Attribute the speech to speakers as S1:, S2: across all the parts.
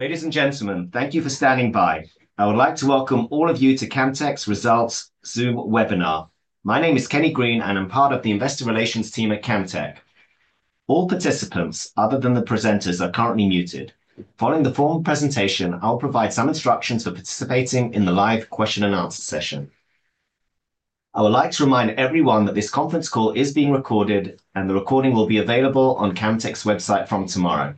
S1: Ladies and gentlemen, thank you for standing by. I would like to welcome all of you to Camtek's results Zoom webinar. My name is Kenny Green, and I'm part of the investor relations team at Camtek. All participants other than the presenters are currently muted. Following the formal presentation, I'll provide some instructions for participating in the live question and answer session. I would like to remind everyone that this conference call is being recorded, and the recording will be available on Camtek's website from tomorrow.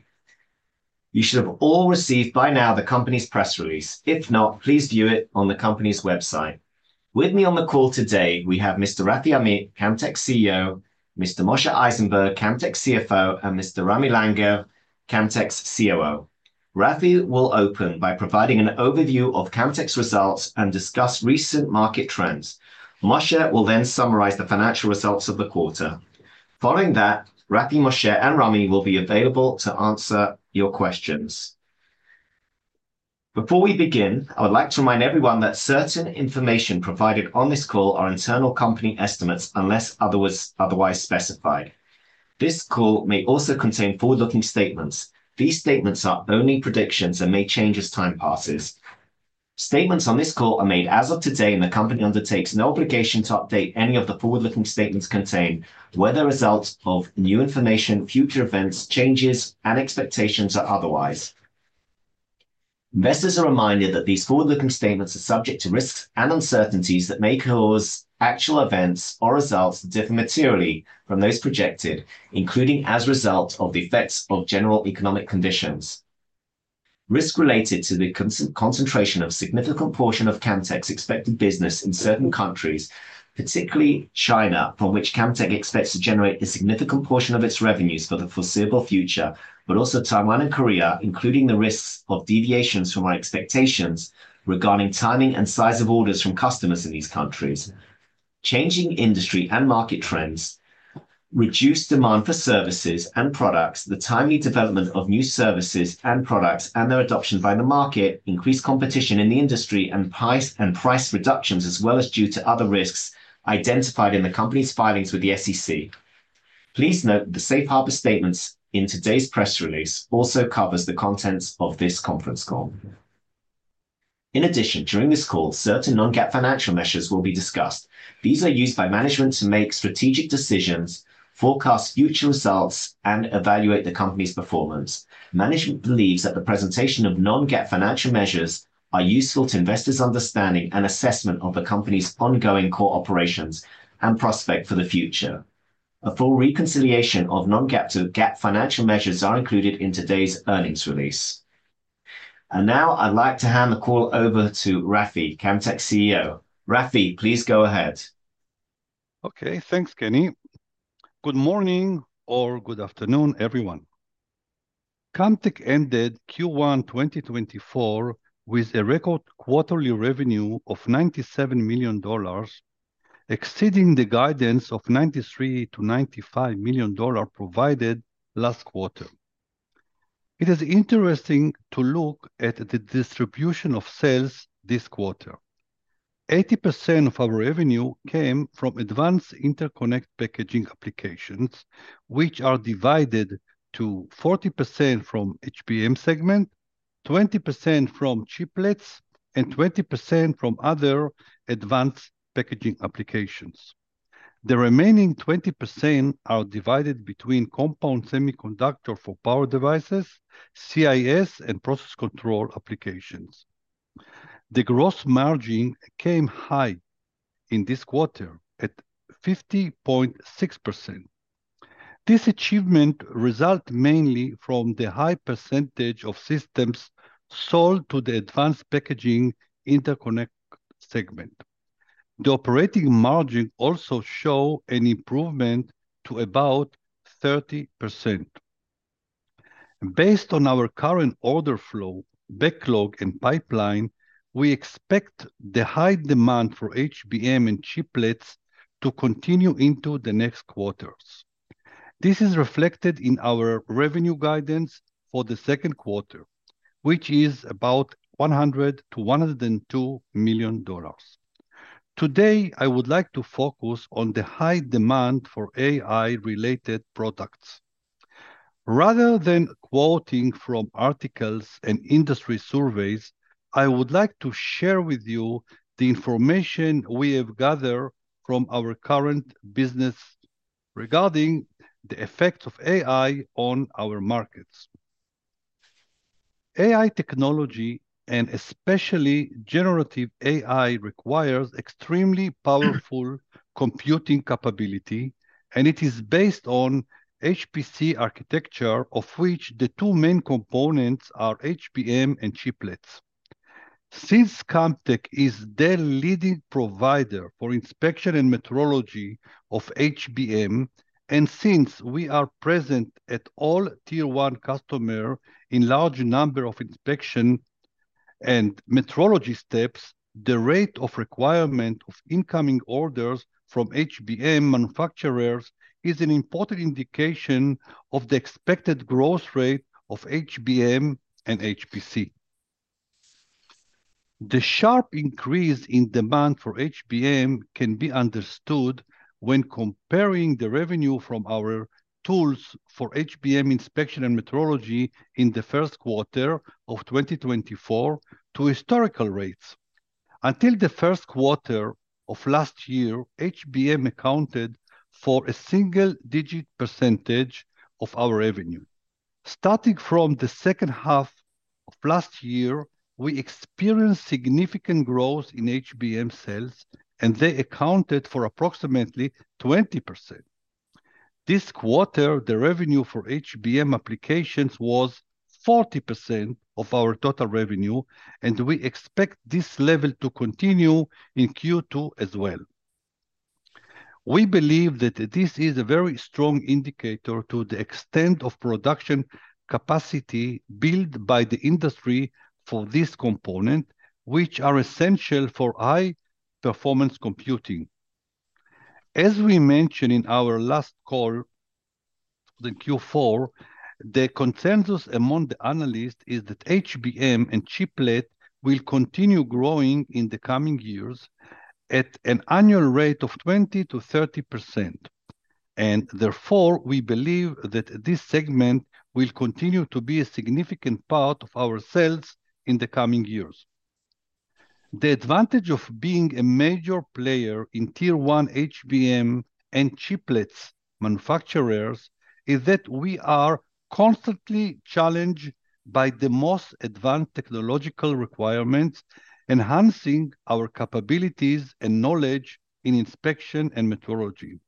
S1: You should have all received by now the company's press release. If not, please view it on the company's website. With me on the call today, we have Mr. Rafi Amit, Camtek's CEO, Mr. Moshe Eisenberg, Camtek's CFO, and Mr. Ramy Langer, Camtek's COO. Rafi will open by providing an overview of Camtek's results and discuss recent market trends. Moshe will then summarize the financial results of the quarter. Following that, Rafi, Moshe, and Ramy will be available to answer your questions. Before we begin, I would like to remind everyone that certain information provided on this call are internal company estimates, unless otherwise specified. This call may also contain forward-looking statements. These statements are only predictions and may change as time passes. Statements on this call are made as of today, and the company undertakes no obligation to update any of the forward-looking statements contained, whether a result of new information, future events, changes, and expectations or otherwise. Investors are reminded that these forward-looking statements are subject to risks and uncertainties that may cause actual events or results to differ materially from those projected, including as a result of the effects of general economic conditions. Risk related to the concentration of significant portion of Camtek's expected business in certain countries, particularly China, from which Camtek expects to generate a significant portion of its revenues for the foreseeable future, but also Taiwan and Korea, including the risks of deviations from our expectations regarding timing and size of orders from customers in these countries. Changing industry and market trends, reduced demand for services and products, the timely development of new services and products and their adoption by the market, increased competition in the industry, and price, and price reductions, as well as due to other risks identified in the company's filings with the SEC. Please note the Safe Harbor statements in today's press release also covers the contents of this conference call. In addition, during this call, certain non-GAAP financial measures will be discussed. These are used by management to make strategic decisions, forecast future results, and evaluate the company's performance. Management believes that the presentation of non-GAAP financial measures are useful to investors' understanding and assessment of the company's ongoing core operations and prospect for the future. A full reconciliation of non-GAAP to GAAP financial measures are included in today's earnings release. And now I'd like to hand the call over to Rafi, Camtek's CEO. Rafi, please go ahead.
S2: Okay, thanks, Kenny. Good morning or good afternoon, everyone. Camtek ended Q1 2024 with a record quarterly revenue of $97 million, exceeding the guidance of $93 million - $95 million provided last quarter. It is interesting to look at the distribution of sales this quarter. 80% of our revenue came from advanced interconnect packaging applications, which are divided to 40% from HBM segment, 20% from chiplets, and 20% from other advanced packaging applications. The remaining 20% are divided between compound semiconductor for power devices, CIS, and process control applications. The gross margin came high in this quarter at 50.6%. This achievement result mainly from the high percentage of systems sold to the advanced packaging interconnect segment. The operating margin also show an improvement to about 30%. Based on our current order flow, backlog, and pipeline, we expect the high demand for HBM and chiplets to continue into the next quarters. This is reflected in our revenue guidance for the Q2, which is about $100 million-$102 million. Today, I would like to focus on the high demand for AI-related products. Rather than quoting from articles and industry surveys, I would like to share with you the information we have gathered from our current business regarding the effect of AI on our markets. AI technology, and especially generative AI, requires extremely powerful computing capability, and it is based on HPC architecture, of which the two main components are HBM and chiplets. Since Camtek is the leading provider for inspection and metrology of HBM, and since we are present at all Tier 1 customer in large number of inspection and metrology steps, the rate of requirement of incoming orders from HBM manufacturers is an important indication of the expected growth rate of HBM and HPC. The sharp increase in demand for HBM can be understood when comparing the revenue from our tools for HBM inspection and metrology in the Q1 of 2024 to historical rates. Until the Q1 of last year, HBM accounted for a single-digit % of our revenue. Starting from the H2 of last year, we experienced significant growth in HBM sales, and they accounted for approximately 20%. This quarter, the revenue for HBM applications was 40% of our total revenue, and we expect this level to continue in Q2 as well. We believe that this is a very strong indicator to the extent of production capacity built by the industry for this component, which are essential for high-performance computing. As we mentioned in our last call, the Q4, the consensus among the analysts is that HBM and chiplet will continue growing in the coming years at an annual rate of 20%-30%, and therefore, we believe that this segment will continue to be a significant part of our sales in the coming years. The advantage of being a major player in Tier 1 HBM and chiplets manufacturers is that we are constantly challenged by the most advanced technological requirements, enhancing our capabilities and knowledge in inspection and metrology.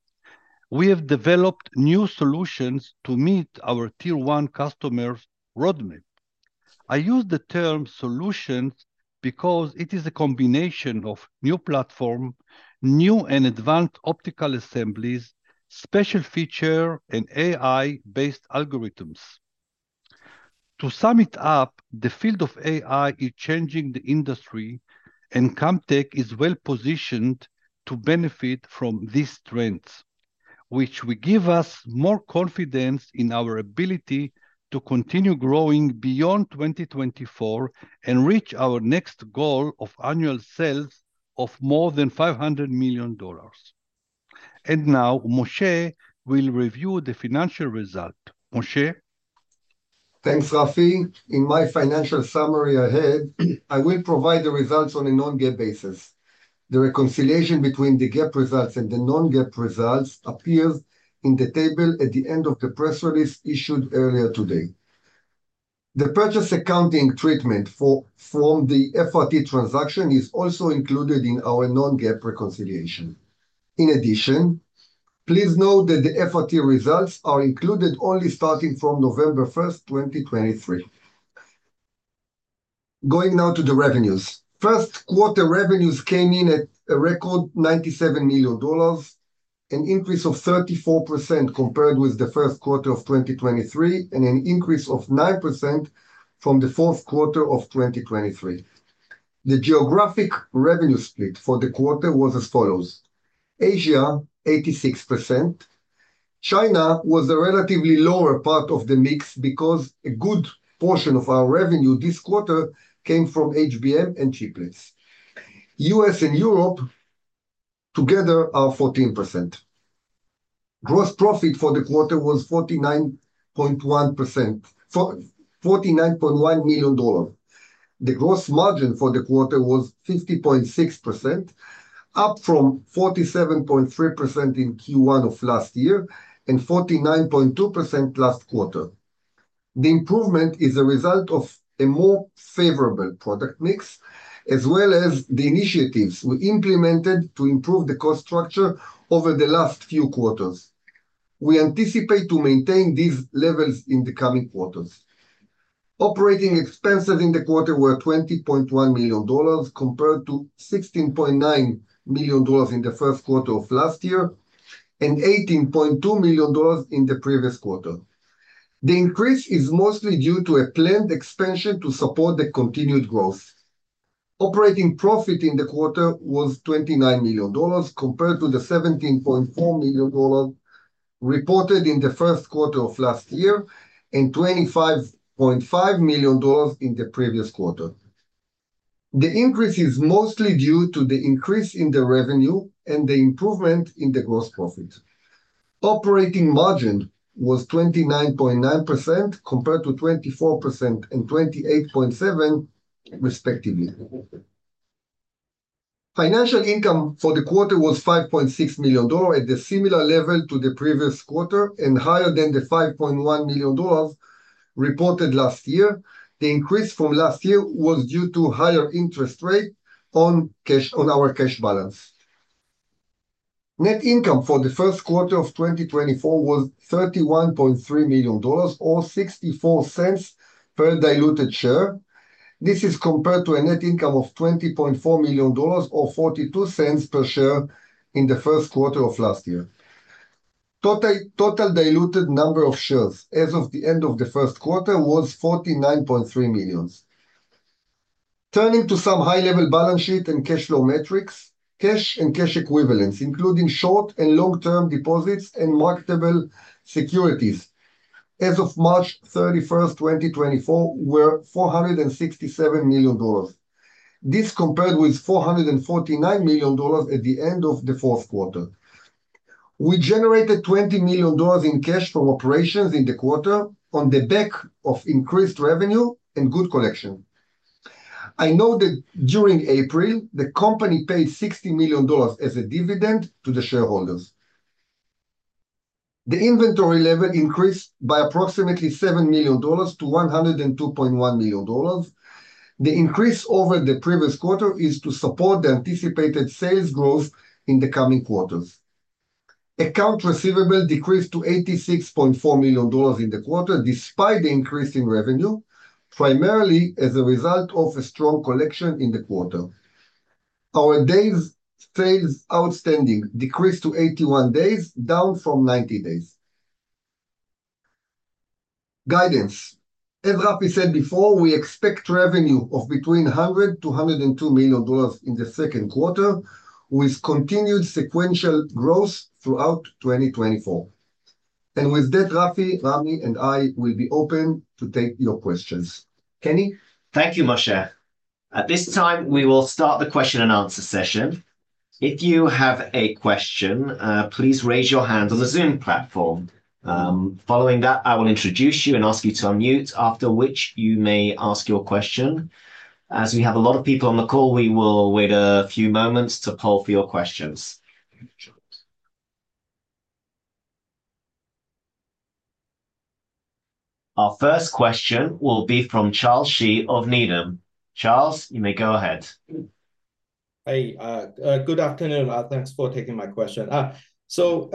S2: We have developed new solutions to meet our Tier 1 customers' roadmap. I use the term solutions because it is a combination of new platform, new and advanced optical assemblies, special feature, and AI-based algorithms. To sum it up, the field of AI is changing the industry, and Camtek is well-positioned to benefit from these trends, which will give us more confidence in our ability to continue growing beyond 2024 and reach our next goal of annual sales of more than $500 million. And now, Moshe will review the financial result. Moshe?
S3: Thanks, Rafi. In my financial summary ahead, I will provide the results on a non-GAAP basis. The reconciliation between the GAAP results and the non-GAAP results appears in the table at the end of the press release issued earlier today. The purchase accounting treatment for, from the FRT transaction is also included in our non-GAAP reconciliation. In addition, please note that the FRT results are included only starting from November 1, 2023. Going now to the revenues. First quarter revenues came in at a record $97 million, an increase of 34% compared with the Q1 of 2023, and an increase of 9% from the Q4 of 2023. The geographic revenue split for the quarter was as follows: Asia, 86%. China was a relatively lower part of the mix because a good portion of our revenue this quarter came from HBM and chiplets. US and Europe together are 14%. Gross profit for the quarter was 49.1%... $49.1 million. The gross margin for the quarter was 50.6%, up from 47.3% in Q1 of last year and 49.2% last quarter. The improvement is a result of a more favorable product mix, as well as the initiatives we implemented to improve the cost structure over the last few quarters. We anticipate to maintain these levels in the coming quarters. Operating expenses in the quarter were $20.1 million, compared to $16.9 million in the Q1 of last year and $18.2 million in the previous quarter. The increase is mostly due to a planned expansion to support the continued growth. Operating profit in the quarter was $29 million, compared to the $17.4 million reported in the Q1 of last year, and $25.5 million in the previous quarter. The increase is mostly due to the increase in the revenue and the improvement in the gross profit. Operating margin was 29.9%, compared to 24% and 28.7%, respectively. Financial income for the quarter was $5.6 million, at a similar level to the previous quarter and higher than the $5.1 million reported last year. The increase from last year was due to higher interest rate on cash, on our cash balance. Net income for the Q1 of 2024 was $31.3 million, or $0.64 per diluted share. This is compared to a net income of $20.4 million or $0.42 per share in the Q1 of last year. Total diluted number of shares as of the end of the Q1 was 49.3 million. Turning to some high-level balance sheet and cash flow metrics. Cash and cash equivalents, including short- and long-term deposits and marketable securities as of March 31st, 2024, were $467 million. This compared with $449 million at the end of the Q4. We generated $20 million in cash from operations in the quarter on the back of increased revenue and good collection. I know that during April, the company paid $60 million as a dividend to the shareholders. The inventory level increased by approximately $7 million to $102.1 million. The increase over the previous quarter is to support the anticipated sales growth in the coming quarters. Accounts receivable decreased to $86.4 million in the quarter, despite the increase in revenue, primarily as a result of a strong collection in the quarter. Our days sales outstanding decreased to 81 days, down from 90 days. Guidance. As Rafi said before, we expect revenue of between $100 million-$102 million in the Q2, with continued sequential growth throughout 2024. With that, Rafi, Ramy, and I will be open to take your questions. Kenny?
S1: Thank you, Moshe. At this time, we will start the question and answer session. If you have a question, please raise your hand on the Zoom platform. Following that, I will introduce you and ask you to unmute, after which you may ask your question. As we have a lot of people on the call, we will wait a few moments to poll for your questions. Our first question will be from Charles Shi of Needham. Charles, you may go ahead.
S4: Hey, good afternoon. Thanks for taking my question. So,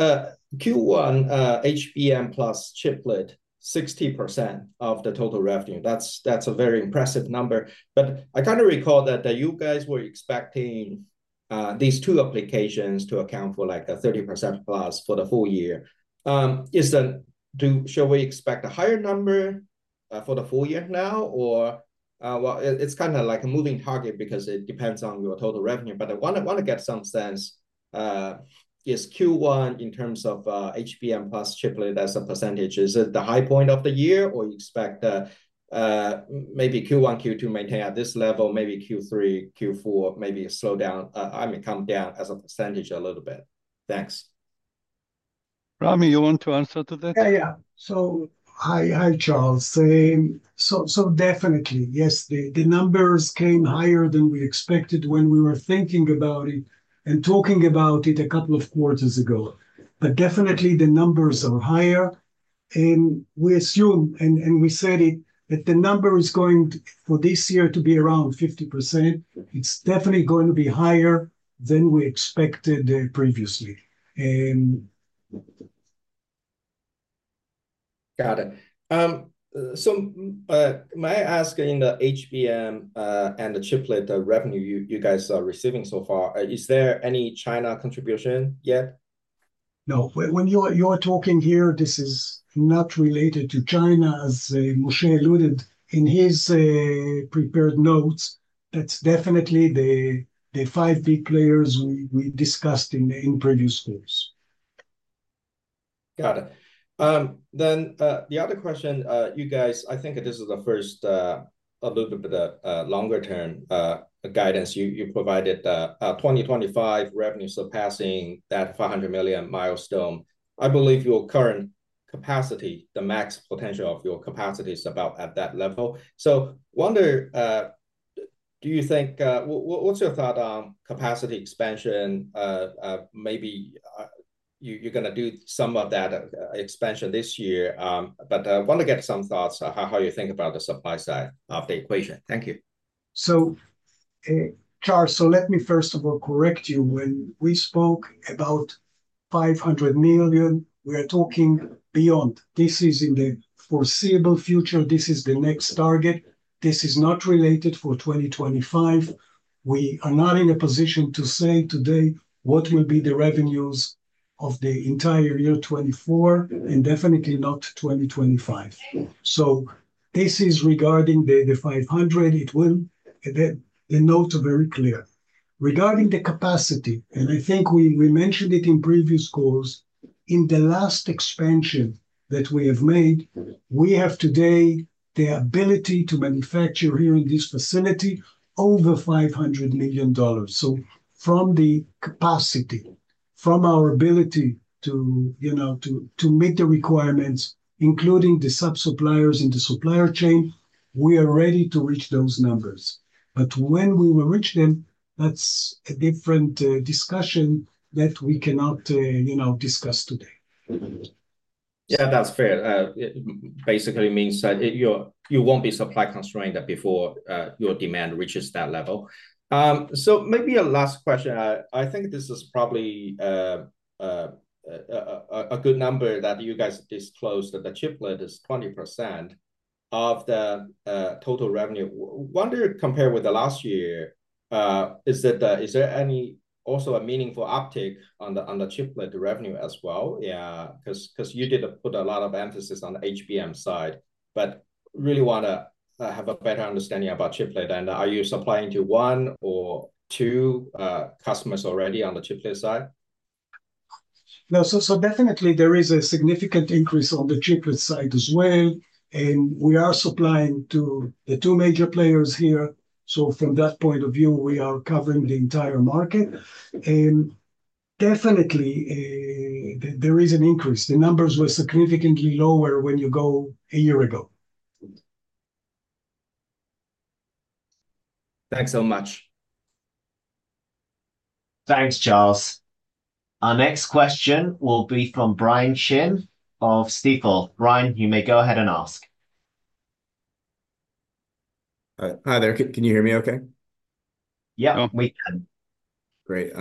S4: Q1, HBM plus chiplet, 60% of the total revenue, that's a very impressive number. But I kind of recall that you guys were expecting these two applications to account for, like, a 30% plus for the full year. Should we expect a higher number for the full year now, or... Well, it's kind of like a moving target because it depends on your total revenue. But I wanna get some sense, is Q1 in terms of HBM plus chiplet as a percentage, is it the high point of the year, or you expect maybe Q1, Q2 maintain at this level, maybe Q3, Q4, maybe slow down, I mean, come down as a percentage a little bit? Thanks.
S2: Ramy, you want to answer to that?
S5: Yeah, yeah. So hi, Charles. So definitely, yes, the numbers came higher than we expected when we were thinking about it and talking about it a couple of quarters ago. But definitely the numbers are higher, and we assume and we said it, that the number is going to, for this year, to be around 50%. It's definitely going to be higher than we expected previously.
S4: Got it. So, may I ask in the HBM and the chiplet, the revenue you, you guys are receiving so far, is there any China contribution yet?
S5: No. When you're talking here, this is not related to China, as Moshe alluded in his prepared notes. That's definitely the five big players we discussed in previous calls.
S4: Got it. Then, the other question, you guys, I think this is the first, a little bit of, longer term, guidance. You provided, 2025 revenue surpassing that $500 million milestone. I believe your current capacity, the max potential of your capacity is about at that level. So wonder, do you think... What's your thought on capacity expansion? Maybe, you, you're gonna do some of that, expansion this year. But, want to get some thoughts on how you think about the supply side of the equation. Thank you.
S5: So, Charles, so let me first of all correct you. When we spoke about $500 million, we are talking beyond. This is in the foreseeable future, this is the next target. This is not related for 2025. We are not in a position to say today what will be the revenues of the entire year 2024, and definitely not 2025. So this is regarding the $500. It will. The notes are very clear. Regarding the capacity, and I think we mentioned it in previous calls, in the last expansion that we have made, we have today the ability to manufacture here in this facility over $500 million. So from the capacity, from our ability to, you know, to meet the requirements, including the sub-suppliers and the supply chain, we are ready to reach those numbers. But when we will reach them, that's a different discussion that we cannot, you know, discuss today.
S4: Yeah, that's fair. It basically means that you're- you won't be supply constrained before your demand reaches that level. So maybe a last question. I think this is probably a good number that you guys disclosed, that the chiplet is 20% of the total revenue. Wonder, compared with the last year, is it also a meaningful uptick on the chiplet revenue as well? Yeah, 'cause you did put a lot of emphasis on the HBM side, but really wanna have a better understanding about chiplet. And are you supplying to one or two customers already on the chiplet side?...
S5: No, so definitely there is a significant increase on the chiplet side as well, and we are supplying to the two major players here. So from that point of view, we are covering the entire market. And definitely, there is an increase. The numbers were significantly lower when you go a year ago.
S4: Thanks so much.
S1: Thanks, Charles. Our next question will be from Brian Chin of Stifel. Brian, you may go ahead and ask.
S6: Hi. Hi there. Can you hear me okay?
S1: Yeah, we can.
S6: Great.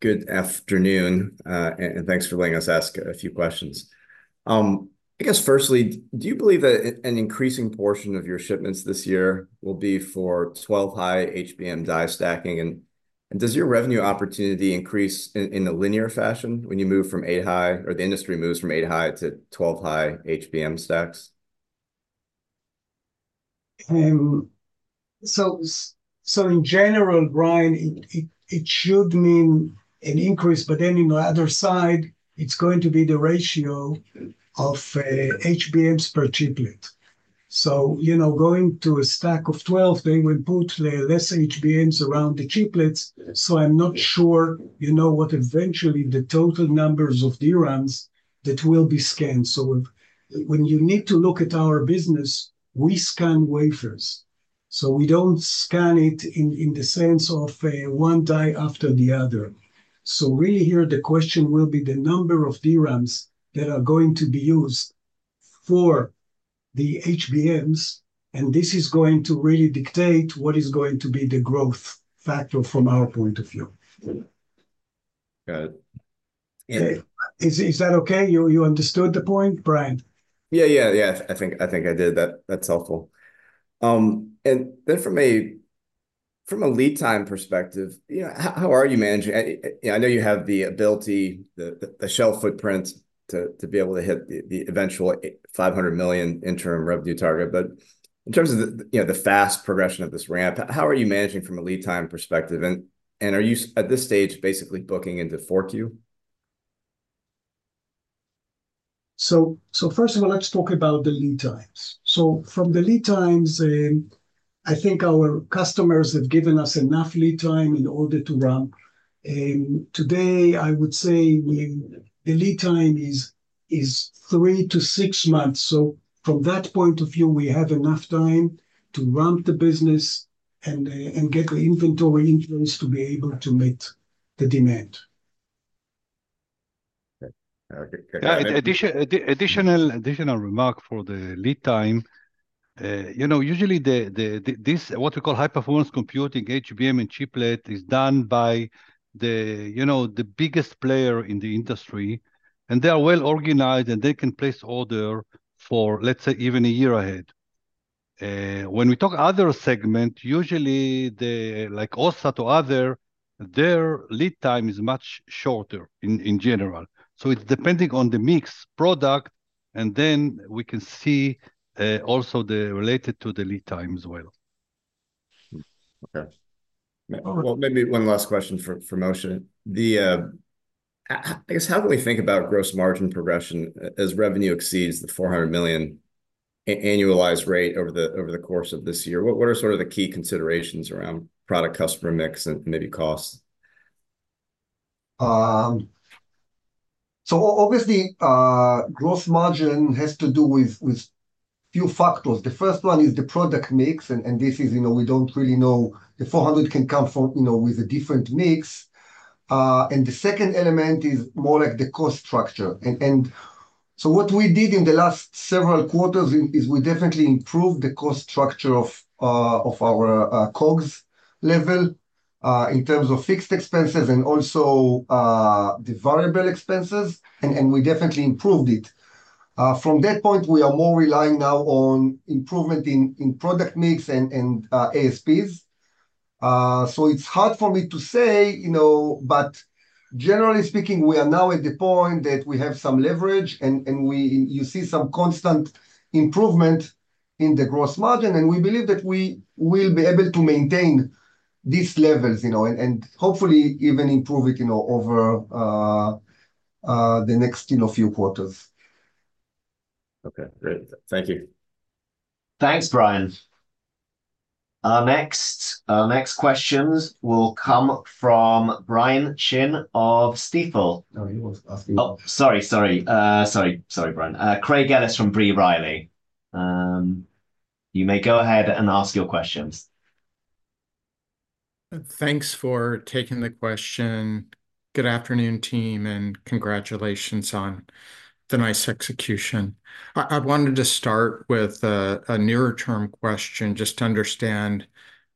S6: Good afternoon, and thanks for letting us ask a few questions. I guess firstly, do you believe that an increasing portion of your shipments this year will be for 12-high HBM die stacking? And does your revenue opportunity increase in a linear fashion when you move from 8-high, or the industry moves from 8-high to 12-high HBM stacks?
S5: So in general, Brian, it should mean an increase, but then in the other side, it's going to be the ratio of HBMs per chiplet. So, you know, going to a stack of 12, they will put the less HBMs around the chiplets, so I'm not sure, you know, what eventually the total numbers of DRAMs that will be scanned. So if... When you need to look at our business, we scan wafers. So we don't scan it in the sense of one die after the other. So really here, the question will be the number of DRAMs that are going to be used for the HBMs, and this is going to really dictate what is going to be the growth factor from our point of view.
S6: Got it.
S5: Okay. Is that okay? You understood the point, Brian?
S6: Yeah, yeah, yeah. I think, I think I did. That, that's helpful. And then from a lead time perspective, you know, how are you managing? Yeah, I know you have the ability, the shell footprint to be able to hit the eventual $500 million interim revenue target. But in terms of the, you know, the fast progression of this ramp, how are you managing from a lead time perspective? And are you at this stage, basically booking into 4Q?
S5: So first of all, let's talk about the lead times. So from the lead times, I think our customers have given us enough lead time in order to ramp. Today, I would say we, the lead time is three to six months. So from that point of view, we have enough time to ramp the business and get the inventory in place to be able to meet the demand.
S6: Okay. Okay, great.
S2: Additional remark for the lead time. You know, usually this, what we call high-performance computing, HBM, and chiplet is done by the, you know, the biggest player in the industry, and they are well organized, and they can place order for, let's say, even a year ahead. When we talk other segment, usually like OSAT or other, their lead time is much shorter in general. So it's depending on the mix product, and then we can see also related to the lead time as well.
S6: Okay.
S5: Oh-
S6: Well, maybe one last question for Moshe. I guess, how do we think about gross margin progression as revenue exceeds the $400 million annualized rate over the course of this year? What are sort of the key considerations around product customer mix and maybe cost?
S3: So obviously, gross margin has to do with a few factors. The first one is the product mix, and this is, you know, we don't really know. The 400 can come from, you know, with a different mix. And the second element is more like the cost structure. And so what we did in the last several quarters is we definitely improved the cost structure of our COGS level, in terms of fixed expenses and also the variable expenses, and we definitely improved it. From that point, we are more relying now on improvement in product mix and ASPs. So it's hard for me to say, you know, but generally speaking, we are now at the point that we have some leverage, and you see some constant improvement in the gross margin, and we believe that we will be able to maintain these levels, you know, and hopefully even improve it, you know, over the next few quarters.
S6: Okay, great. Thank you.
S1: Thanks, Brian. Our next questions will come from Brian Chin of Stifel.
S5: Oh, he was asking.
S1: Oh, sorry, sorry, sorry, sorry, Brian. Craig Ellis from B. Riley, you may go ahead and ask your questions.
S7: Thanks for taking the question. Good afternoon, team, and congratulations on the nice execution. I wanted to start with a nearer-term question, just to understand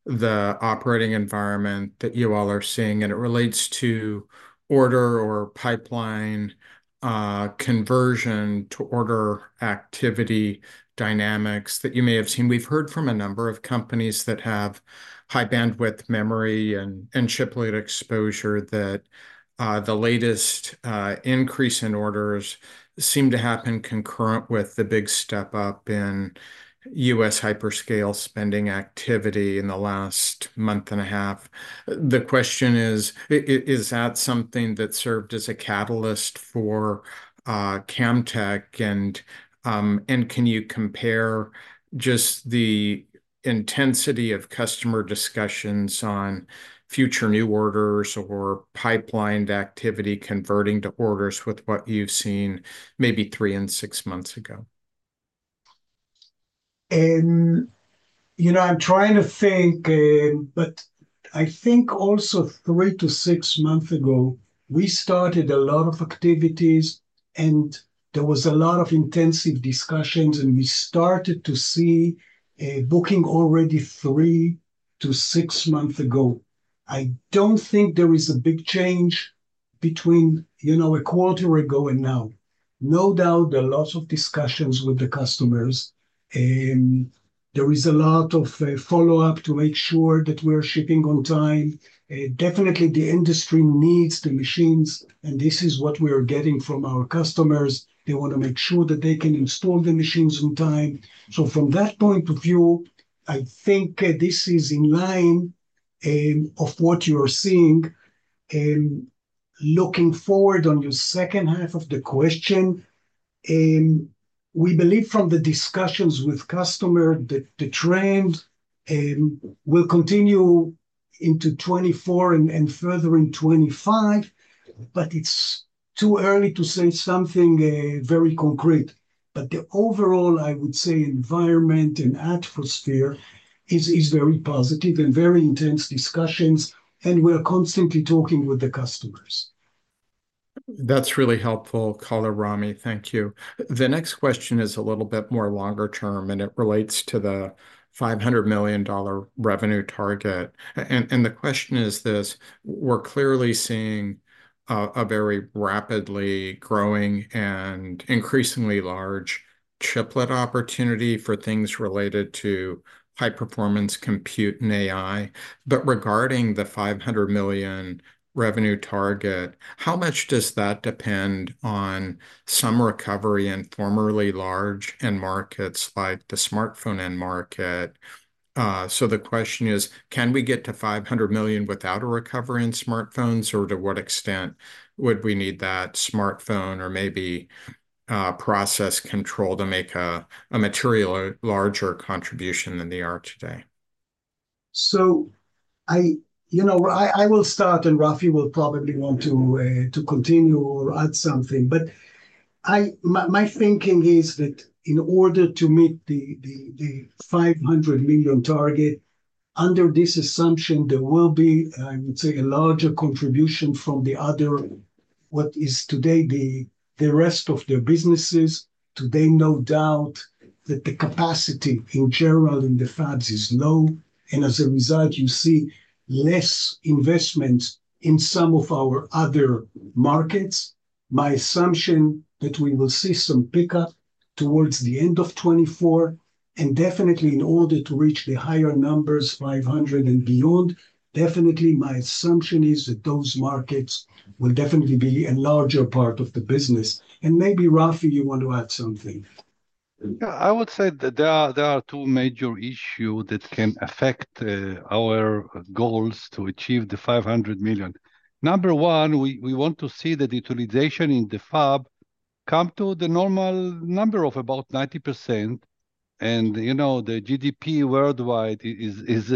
S7: the operating environment that you all are seeing, and it relates to order or pipeline conversion to order activity dynamics that you may have seen. We've heard from a number of companies that have high bandwidth memory and chiplet exposure that the latest increase in orders seem to happen concurrent with the big step up in US hyperscale spending activity in the last month and a half. The question is, is that something that served as a catalyst for Camtek? And, and can you compare just the intensity of customer discussions on future new orders or pipeline activity converting to orders with what you've seen maybe three and six months ago?
S5: You know, I'm trying to think, but I think also 3-6 months ago, we started a lot of activities, and there was a lot of intensive discussions, and we started to see a booking already 3-6 months ago. I don't think there is a big change between, you know, a quarter ago and now. No doubt there are lots of discussions with the customers. There is a lot of follow-up to make sure that we're shipping on time. Definitely the industry needs the machines, and this is what we are getting from our customers. They want to make sure that they can install the machines on time. So from that point of view, I think this is in line of what you are seeing. Looking forward on your H2 of the question, we believe from the discussions with customer, that the trend will continue into 2024 and further in 2025, but it's too early to say something very concrete. But the overall, I would say, environment and atmosphere is very positive and very intense discussions, and we're constantly talking with the customers.
S7: That's really helpful, Ramy, thank you. The next question is a little bit more longer term, and it relates to the $500 million revenue target. And the question is this: we're clearly seeing a very rapidly growing and increasingly large chiplet opportunity for things related to high-performance compute and AI. But regarding the $500 million revenue target, how much does that depend on some recovery in formerly large end markets, like the smartphone end market? So the question is, can we get to $500 million without a recovery in smartphones, or to what extent would we need that smartphone or maybe process control to make a material or larger contribution than they are today?
S5: So, you know, I will start, and Rafi will probably want to continue or add something. But my thinking is that in order to meet the $500 million target, under this assumption, there will be, I would say, a larger contribution from the other, what is today the rest of their businesses. Today, no doubt that the capacity in general in the fabs is low, and as a result, you see less investment in some of our other markets. My assumption is that we will see some pickup towards the end of 2024, and definitely in order to reach the higher numbers, $500 million and beyond, definitely my assumption is that those markets will definitely be a larger part of the business. And maybe, Rafi, you want to add something.
S2: Yeah, I would say that there are two major issues that can affect our goals to achieve the $500 million. Number one, we want to see that the utilization in the fab come to the normal number of about 90%, and, you know, the GDP worldwide is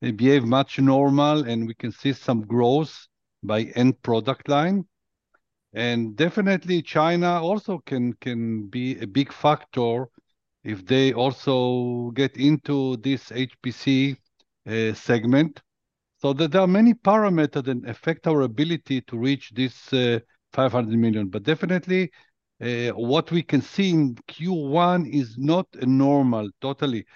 S2: behave much normal, and we can see some growth by end product line. And definitely, China also can be a big factor if they also get into this HPC segment. So there are many parameters that affect our ability to reach this $500 million. But definitely, what we can see in Q1 is not normal totally,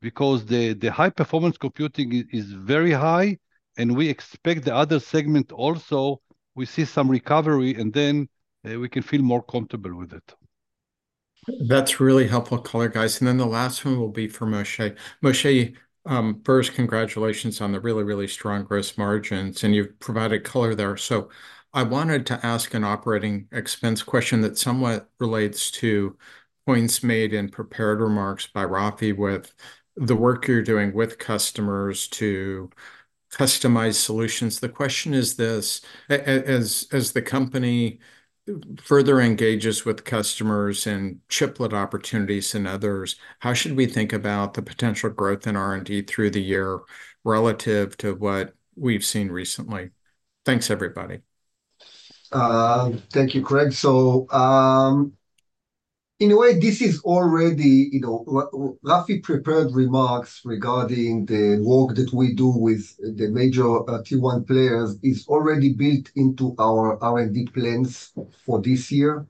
S2: because the high-performance computing is very high, and we expect the other segment also, we see some recovery, and then we can feel more comfortable with it.
S7: That's really helpful color, guys. And then the last one will be for Moshe. Moshe, first, congratulations on the really, really strong gross margins, and you've provided color there. So I wanted to ask an operating expense question that somewhat relates to points made in prepared remarks by Rafi, with the work you're doing with customers to customize solutions. The question is this, as the company further engages with customers in chiplet opportunities and others, how should we think about the potential growth in R&D through the year relative to what we've seen recently? Thanks, everybody.
S3: Thank you, Craig. So, in a way, this is already, you know, Rafi prepared remarks regarding the work that we do with the major Tier 1 players, is already built into our R&D plans for this year.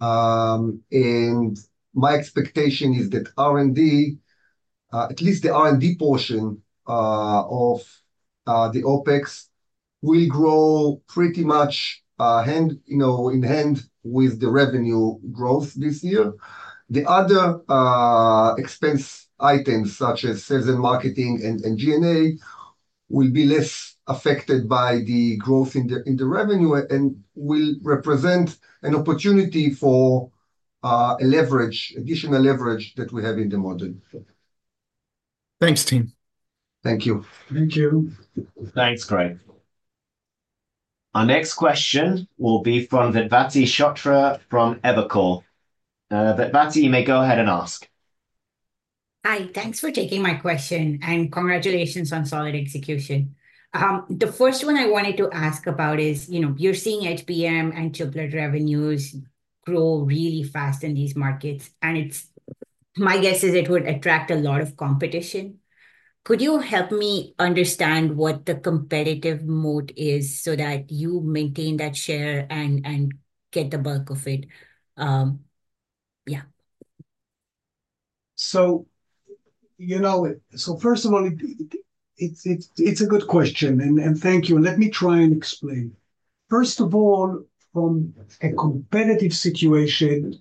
S3: And my expectation is that R&D, at least the R&D portion, of the OpEx, will grow pretty much, hand, you know, in hand with the revenue growth this year. The other expense items, such as sales and marketing and G&A, will be less affected by the growth in the revenue, and will represent an opportunity for a leverage, additional leverage that we have in the model.
S7: Thanks, team.
S3: Thank you.
S5: Thank you.
S2: Thanks, Craig. ...
S1: Our next question will be from Vedvati Shrotre from Evercore. Vedvati, you may go ahead and ask.
S8: Hi, thanks for taking my question, and congratulations on solid execution. The first one I wanted to ask about is, you know, you're seeing HBM and chiplet revenues grow really fast in these markets, and it's my guess is it would attract a lot of competition. Could you help me understand what the competitive moat is so that you maintain that share and, and get the bulk of it? Yeah.
S5: So, you know, so first of all, it's a good question, and thank you. Let me try and explain. First of all, from a competitive situation,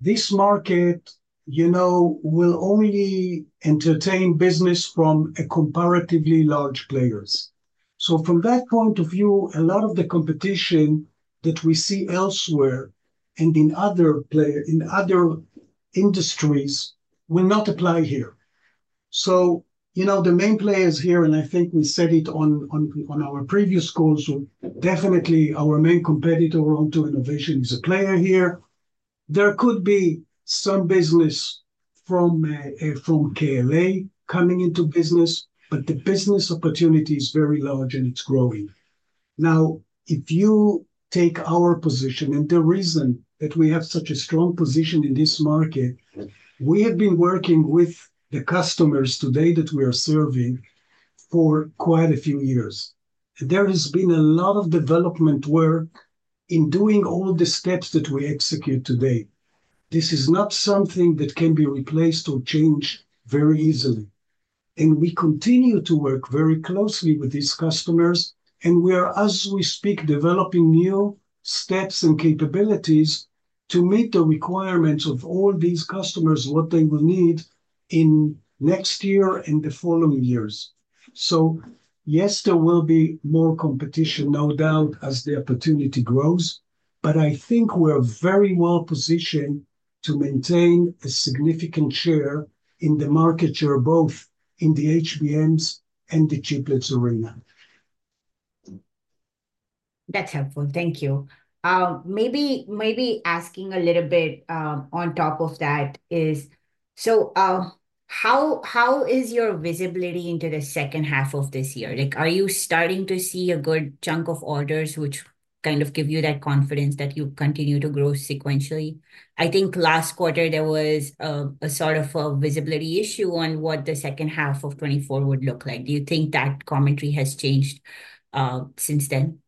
S5: this market, you know, will only entertain business from comparatively large players. So from that point of view, a lot of the competition that we see elsewhere and in other players, in other industries will not apply here. So, you know, the main players here, and I think we said it on our previous calls, definitely our main competitor Onto Innovation is a player here. There could be some business from from KLA coming into business, but the business opportunity is very large, and it's growing. Now, if you take our position, and the reason that we have such a strong position in this market, we have been working with the customers today that we are serving for quite a few years. There has been a lot of development work in doing all the steps that we execute today. This is not something that can be replaced or changed very easily, and we continue to work very closely with these customers, and we are, as we speak, developing new steps and capabilities to meet the requirements of all these customers, what they will need in next year and the following years. So yes, there will be more competition, no doubt, as the opportunity grows, but I think we're very well positioned to maintain a significant share in the market share, both in the HBMs and the chiplets arena.
S8: That's helpful. Thank you. Maybe asking a little bit on top of that is, so, how is your visibility into the H2 of this year? Like, are you starting to see a good chunk of orders, which kind of give you that confidence that you continue to grow sequentially? I think last quarter there was a sort of a visibility issue on what the H2 of 2024 would look like. Do you think that commentary has changed since then?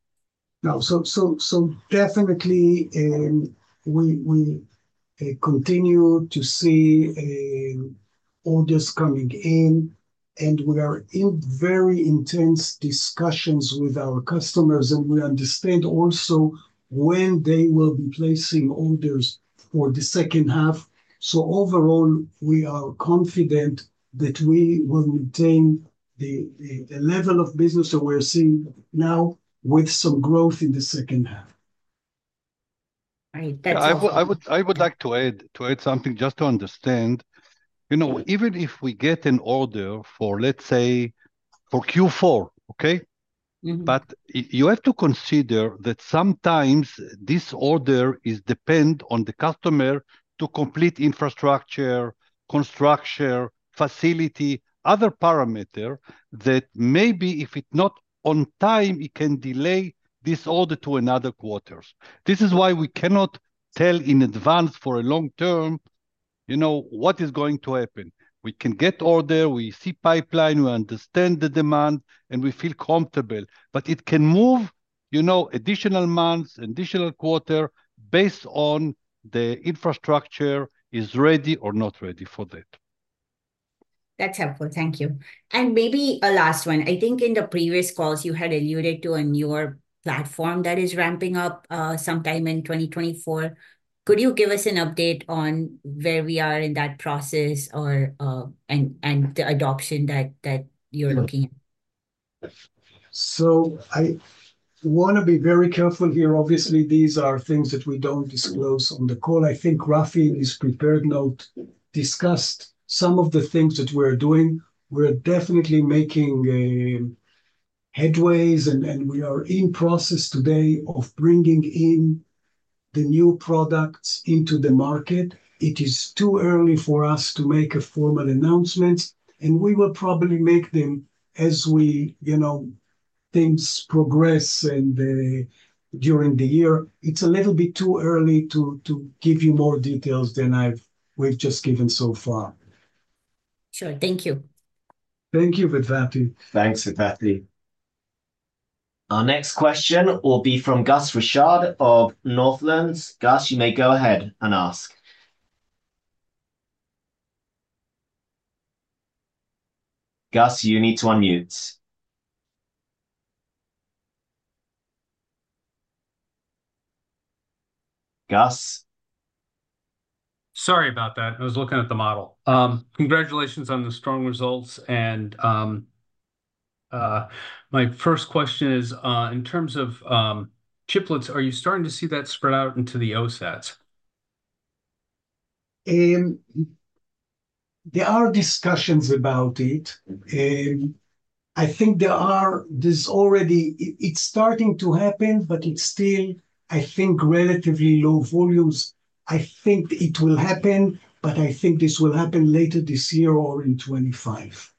S5: No. So definitely, we continue to see orders coming in, and we are in very intense discussions with our customers, and we understand also when they will be placing orders for the H2. So overall, we are confident that we will maintain the level of business that we're seeing now, with some growth in the H2.
S8: Right. That's all-
S2: I would like to add something just to understand. You know, even if we get an order for, let's say, for Q4, okay?
S8: Mm-hmm.
S2: But you have to consider that sometimes this order is depend on the customer to complete infrastructure, construction, facility, other parameter, that maybe if it's not on time, it can delay this order to another quarters. This is why we cannot tell in advance for a long term, you know, what is going to happen. We can get order, we see pipeline, we understand the demand, and we feel comfortable. But it can move, you know, additional months, additional quarter, based on the infrastructure is ready or not ready for that.
S8: That's helpful, thank you. And maybe a last one. I think in the previous calls you had alluded to a newer platform that is ramping up sometime in 2024. Could you give us an update on where we are in that process or, and the adoption that you're looking at?
S5: So I want to be very careful here. Obviously, these are things that we don't disclose on the call. I think Rafi, in his prepared note, discussed some of the things that we're doing. We're definitely making headways, and we are in process today of bringing in the new products into the market. It is too early for us to make a formal announcement, and we will probably make them as we, you know, things progress and during the year. It's a little bit too early to give you more details than we've just given so far.
S8: Sure. Thank you.
S5: Thank you, Vedvati.
S1: Thanks, Vedvati. Our next question will be from Gus Richard of Northland. Gus, you may go ahead and ask. Gus, you need to unmute. Gus?
S9: Sorry about that. I was looking at the model. Congratulations on the strong results and my first question is, in terms of chiplets, are you starting to see that spread out into the OSATs?...
S5: There are discussions about it. I think there's already, it's starting to happen, but it's still, I think, relatively low volumes. I think it will happen, but I think this will happen later this year or in 2025.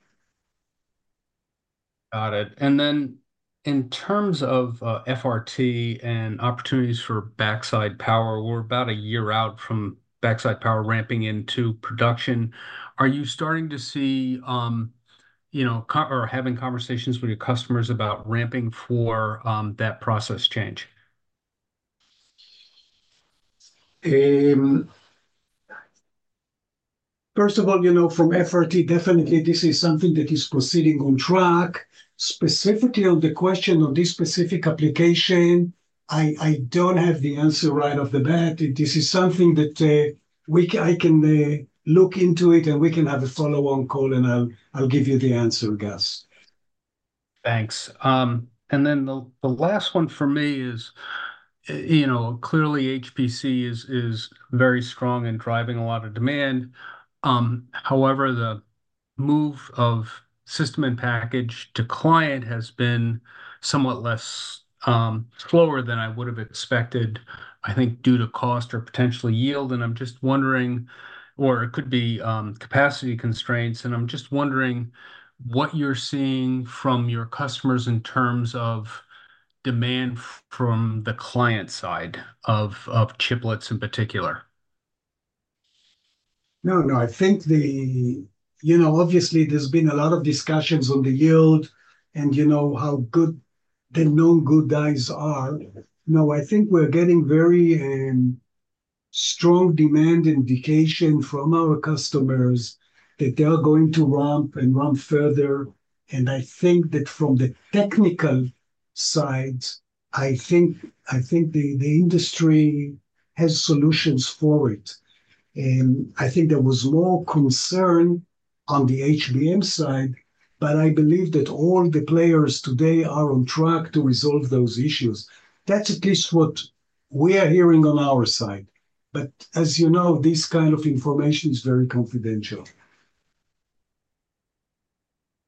S9: Got it. Then in terms of FRT and opportunities for backside power, we're about a year out from backside power ramping into production. Are you starting to see, you know, or having conversations with your customers about ramping for that process change?
S5: First of all, you know, from FRT, definitely this is something that is proceeding on track. Specifically on the question of this specific application, I don't have the answer right off the bat. This is something that I can look into it, and we can have a follow-on call, and I'll give you the answer, Gus.
S9: Thanks. And then the last one for me is, you know, clearly HPC is very strong and driving a lot of demand. However, the move of System-in-Package to client has been somewhat less slower than I would've expected, I think due to cost or potentially yield. And I'm just wondering... Or it could be capacity constraints, and I'm just wondering what you're seeing from your customers in terms of demand from the client side of chiplets in particular.
S5: No, no, I think. You know, obviously there's been a lot of discussions on the yield and you know how good the known good dies are. No, I think we're getting very strong demand indication from our customers that they are going to ramp and ramp further, and I think that from the technical side, I think the industry has solutions for it. And I think there was more concern on the HBM side, but I believe that all the players today are on track to resolve those issues. That's at least what we are hearing on our side, but as you know, this kind of information is very confidential.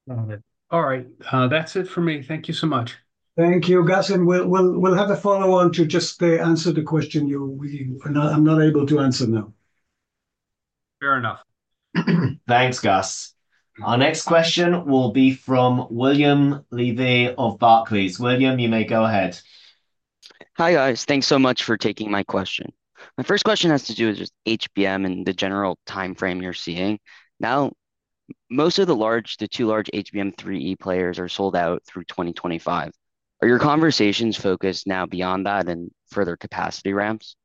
S9: Got it. All right, that's it for me. Thank you so much.
S5: Thank you, Gus, and we'll have a follow-on to just answer the question I'm not able to answer now.
S9: Fair enough.
S1: Thanks, Gus. Our next question will be from William Levy of Barclays. William, you may go ahead.
S10: Hi, guys. Thanks so much for taking my question. My first question has to do with just HBM and the general timeframe you're seeing. Now, the two large HBM3E players are sold out through 2025. Are your conversations focused now beyond that and further capacity ramps?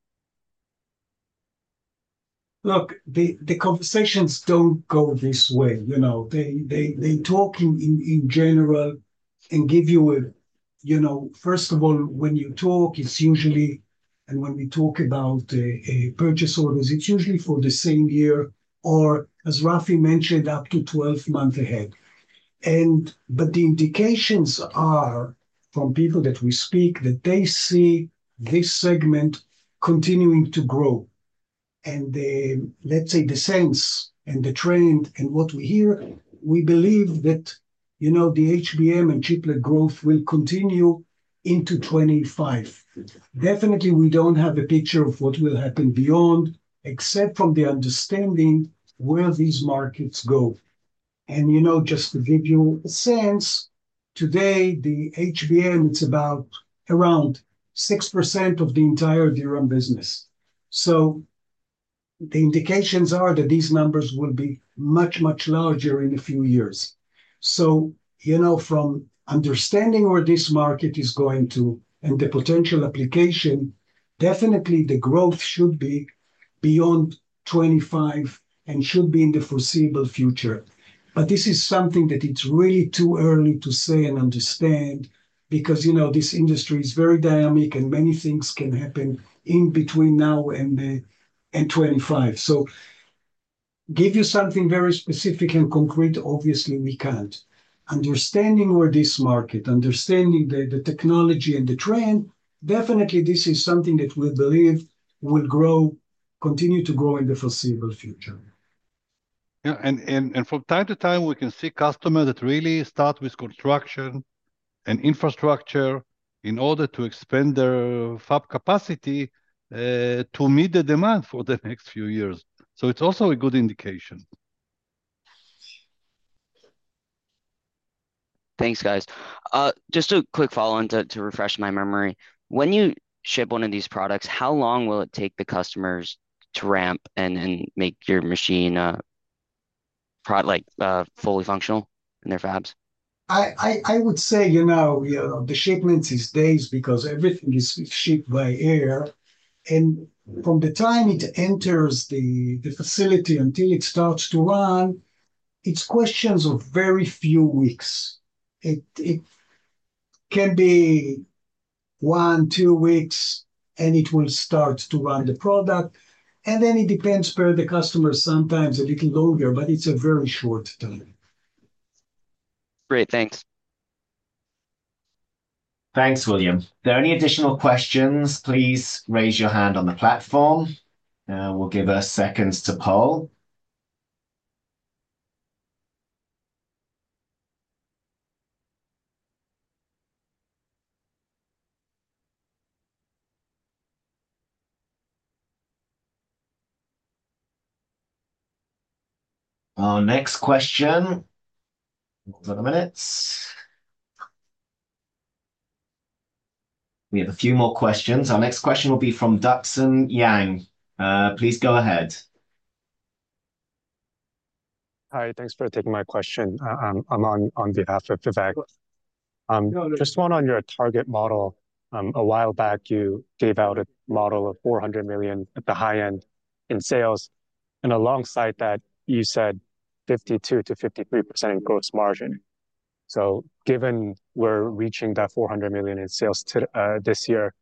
S5: Look, the conversations don't go this way. You know, they talk in general and give you a... You know, first of all, when you talk, it's usually, and when we talk about purchase orders, it's usually for the same year, or, as Rafi mentioned, up to 12 months ahead. But the indications are, from people that we speak, that they see this segment continuing to grow, and the, let's say, the sense and the trend and what we hear, we believe that, you know, the HBM and chiplet growth will continue into 2025. Definitely, we don't have a picture of what will happen beyond, except from the understanding where these markets go. And, you know, just to give you a sense, today, the HBM, it's about around 6% of the entire DRAM business. So the indications are that these numbers will be much, much larger in a few years. So, you know, from understanding where this market is going to and the potential application, definitely the growth should be beyond 2025 and should be in the foreseeable future. But this is something that it's really too early to say and understand because, you know, this industry is very dynamic, and many things can happen in between now and and 2025. So give you something very specific and concrete, obviously we can't. Understanding where this market, understanding the, the technology and the trend, definitely this is something that we believe will grow, continue to grow in the foreseeable future.
S2: Yeah, and from time to time, we can see customers that really start with construction and infrastructure in order to expand their fab capacity to meet the demand for the next few years. So it's also a good indication.
S10: Thanks, guys. Just a quick follow-on to refresh my memory. When you ship one of these products, how long will it take the customers to ramp and make your machine productive, like, fully functional in their fabs?
S5: I would say, you know, the shipments is days because everything is shipped by air. And from the time it enters the facility until it starts to run, it's questions of very few weeks. It can be one, two weeks, and it will start to run the product, and then it depends per the customer, sometimes a little longer, but it's a very short time.
S10: Great, thanks. ...
S1: Thanks, William. If there are any additional questions, please raise your hand on the platform. We'll give a seconds to poll. Our next question, hold on a minute. We have a few more questions. Our next question will be from Duxin Yang. Please go ahead.
S11: Hi, thanks for taking my question. I'm on behalf of Vivek. Just one on your target model. A while back, you gave out a model of $400 million at the high end in sales, and alongside that, you said 52%-53% in gross margin. So given we're reaching that $400 million in sales this year,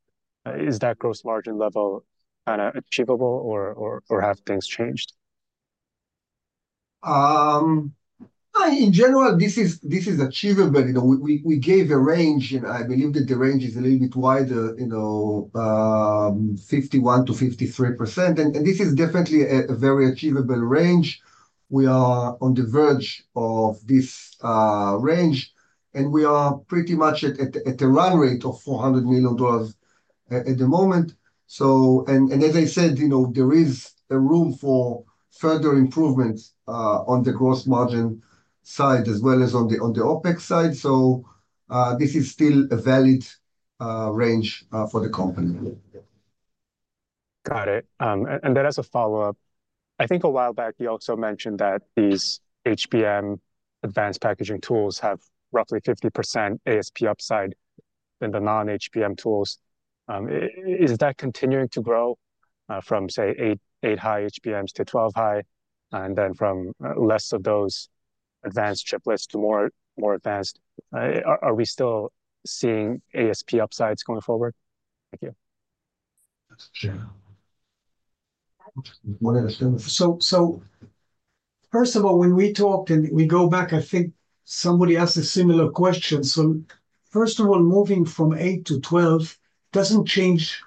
S11: is that gross margin level kinda achievable or have things changed?
S3: In general, this is achievable. You know, we gave a range, and I believe that the range is a little bit wider, you know, 51%-53%, and this is definitely a very achievable range. We are on the verge of this range, and we are pretty much at the run rate of $400 million at the moment. So... And as I said, you know, there is room for further improvements on the gross margin side, as well as on the OpEx side. So, this is still a valid range for the company.
S11: Got it. And then as a follow-up, I think a while back, you also mentioned that these HBM advanced packaging tools have roughly 50% ASP upside than the non-HBM tools. Is that continuing to grow from, say, 8-high HBMs to 12-high, and then from less of those advanced chiplets to more advanced? Are we still seeing ASP upsides going forward? Thank you.
S2: That's true.
S5: So first of all, when we talked, and we go back, I think somebody asked a similar question. So first of all, moving from 8 to 12 doesn't change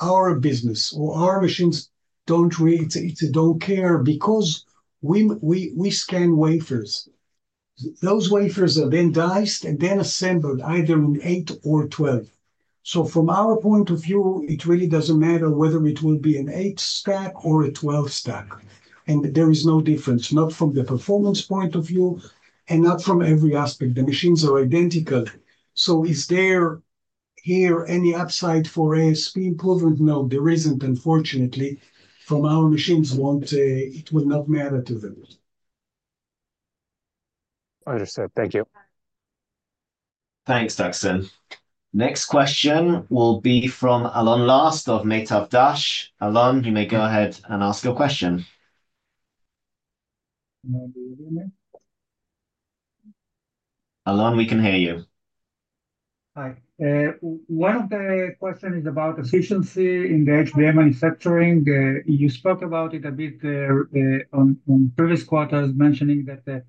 S5: our business, or our machines don't really... It's a don't care because we scan wafers. Those wafers are then diced and then assembled either in 8 or 12. So from our point of view, it really doesn't matter whether it will be an 8-stack or a 12-stack, and there is no difference, not from the performance point of view and not from every aspect. The machines are identical. So is there here any upside for ASP improvement? No, there isn't, unfortunately, our machines won't; it will not matter to them.
S12: Understood. Thank you.
S1: Thanks, Duxin. Next question will be from Alon Luts of Meitav Dash. Alon, you may go ahead and ask your question.
S13: Can you hear me?
S1: Alon, we can hear you.
S13: Hi. One of the questions is about efficiency in the HBM manufacturing. You spoke about it a bit on previous quarters, mentioning that the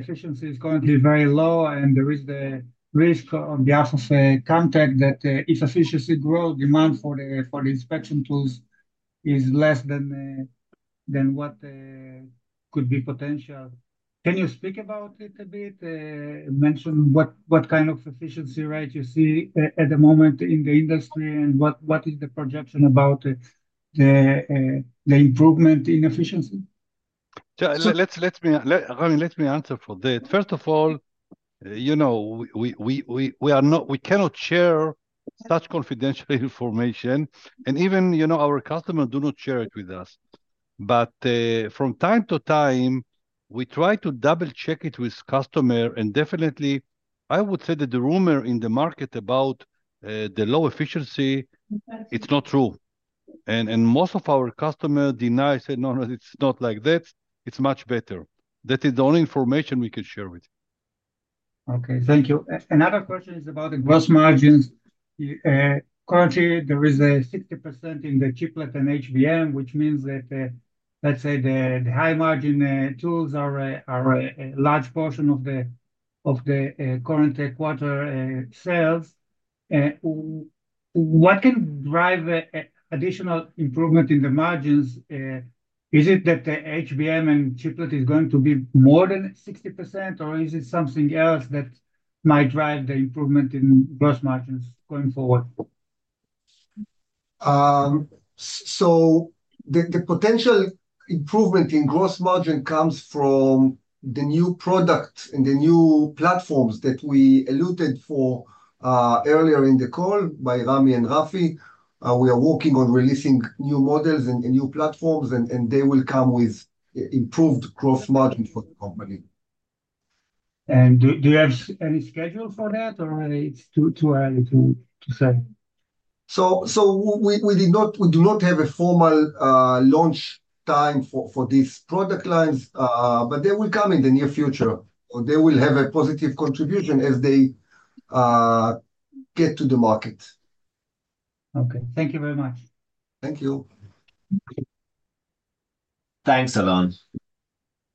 S13: efficiency is going to be very low, and there is the risk on behalf of the customer that if efficiency grow, demand for the inspection tools is less than what could be potential. Can you speak about it a bit, mention what kind of efficiency rate you see at the moment in the industry, and what is the projection about the improvement in efficiency?
S2: Yeah. Let me, Ramy, let me answer for that. First of all, you know, we cannot share such confidential information, and even, you know, our customer do not share it with us. But, from time to time, we try to double-check it with customer, and definitely, I would say that the rumor in the market about the low efficiency, it's not true. And most of our customer deny, say, "No, no, it's not like that. It's much better." That is the only information we can share with you.
S13: Okay, thank you. Another question is about the gross margins. Currently, there is a 60% in the chiplet and HBM, which means that, let's say the high-margin tools are a large portion of the current quarter sales. What can drive additional improvement in the margins? Is it that the HBM and chiplet is going to be more than 60%, or is it something else that might drive the improvement in gross margins going forward?
S3: So the potential improvement in gross margin comes from the new product and the new platforms that we alluded to earlier in the call by Ramy and Rafi. We are working on releasing new models and new platforms, and they will come with improved gross margin for the company.
S13: Do you have any schedule for that, or is it too early to say?
S3: So we do not have a formal launch time for these product lines, but they will come in the near future, or they will have a positive contribution as they get to the market.
S13: Okay. Thank you very much.
S3: Thank you....
S1: Thanks, Alon.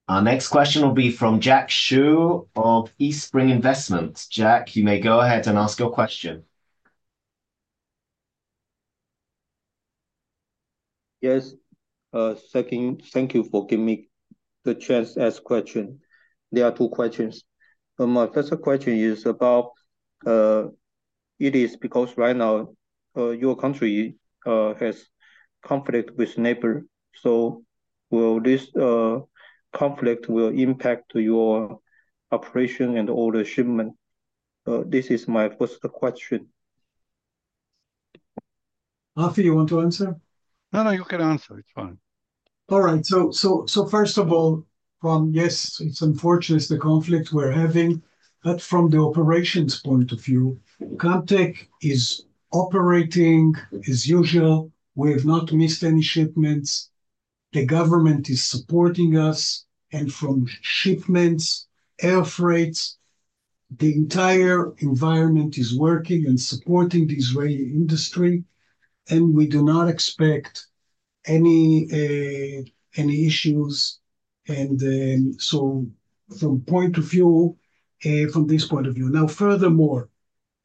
S1: Our next question will be from Xiang Xu of Eastspring Investments. Xiang, you may go ahead and ask your question.
S14: Yes, second, thank you for giving me the chance to ask question. There are two questions. My first question is about, it is because right now, your country, has conflict with neighbor, so will this, conflict will impact your operation and all the shipment? This is my first question.
S5: Rafi, you want to answer?
S2: No, no, you can answer. It's fine.
S5: All right. So first of all, well, yes, it's unfortunate the conflict we're having, but from the operations point of view, Camtek is operating as usual. We have not missed any shipments. The government is supporting us, and from shipments, air freights, the entire environment is working and supporting the Israeli industry, and we do not expect any any issues. And so from point of view, from this point of view. Now, furthermore,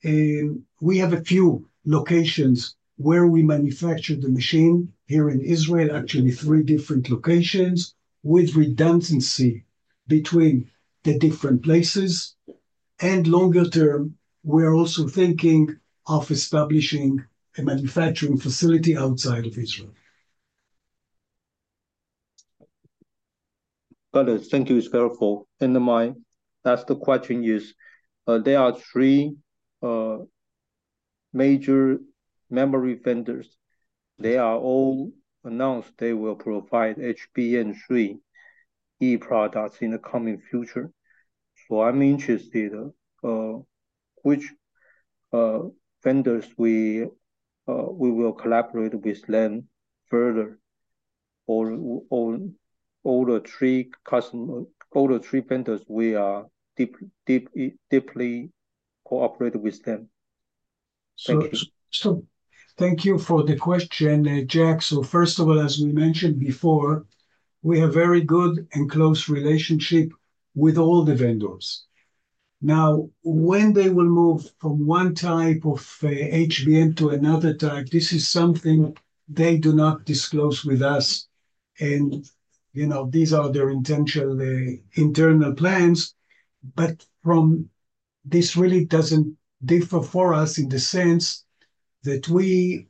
S5: we have a few locations where we manufacture the machine here in Israel, actually three different locations, with redundancy between the different places, and longer term, we're also thinking of establishing a manufacturing facility outside of Israel.
S14: Got it. Thank you. It's very helpful. And then my last question is, there are three major memory vendors. They are all announced they will provide HBM3E products in the coming future. So I'm interested, which vendors we will collaborate with them further, or all the three vendors, we are deeply cooperating with them. Thank you.
S5: So, thank you for the question, Xiang. So first of all, as we mentioned before, we have very good and close relationship with all the vendors. Now, when they will move from one type of HBM to another type, this is something they do not disclose with us, and, you know, these are their intentional internal plans. But this really doesn't differ for us in the sense that we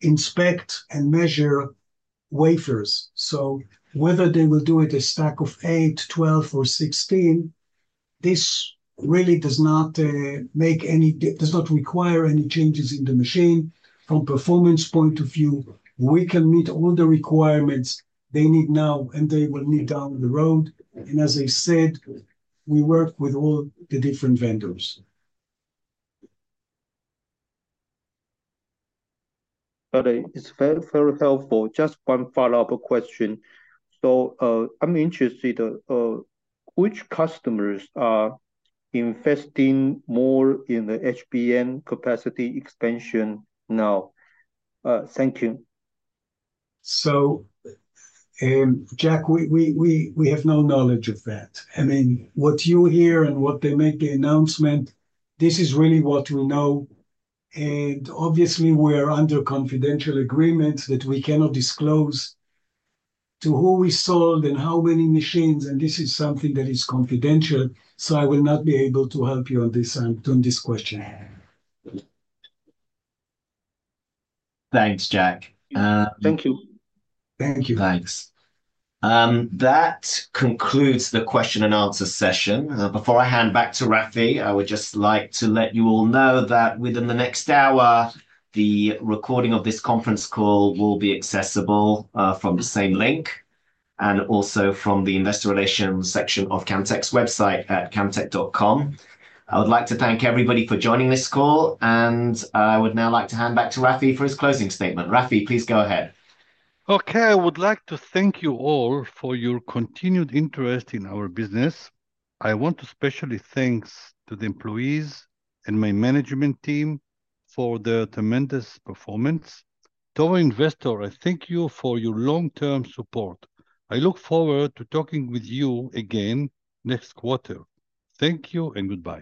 S5: inspect and measure wafers. So whether they will do it a stack of 8, 12 or 16, this really does not make any does not require any changes in the machine. From performance point of view, we can meet all the requirements they need now, and they will need down the road, and as I said, we work with all the different vendors.
S14: Okay, it's very, very helpful. Just one follow-up question. So, I'm interested, which customers are investing more in the HBM capacity expansion now? Thank you.
S5: Xiang, we have no knowledge of that. I mean, what you hear and what they make the announcement, this is really what we know, and obviously, we're under confidential agreements that we cannot disclose to who we sold and how many machines, and this is something that is confidential, so I will not be able to help you on this question.
S1: Thanks, Xiang.
S14: Thank you.
S2: Thank you.
S1: Thanks. That concludes the question and answer session. Before I hand back to Rafi, I would just like to let you all know that within the next hour, the recording of this conference call will be accessible from the same link, and also from the Investor Relations section of Camtek's website at camtek.com. I would like to thank everybody for joining this call, and I would now like to hand back to Rafi for his closing statement. Rafi, please go ahead.
S2: Okay, I would like to thank you all for your continued interest in our business. I want to especially thank the employees and my management team for their tremendous performance. To our investors, I thank you for your long-term support. I look forward to talking with you again next quarter. Thank you and goodbye.